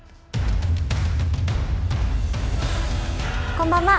こんばんは。